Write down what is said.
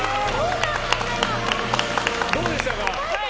どうでしたか？